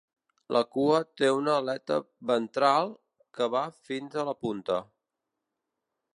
La cua té una aleta ventral que va fins a la punta.